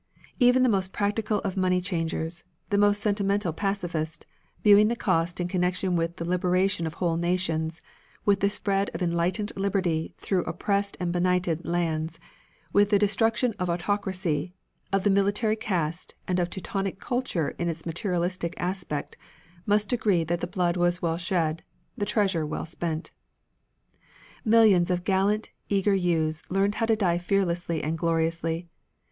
Even the most practical of money changers, the most sentimental pacifist, viewing the cost in connection with the liberation of whole nations, with the spread of enlightened liberty through oppressed and benighted lands, with the destruction of autocracy, of the military caste, and of Teutonic kultur in its materialistic aspect, must agree that the blood was well shed, the treasure well spent. Millions of gallant, eager youths learned how to die fearlessly and gloriously.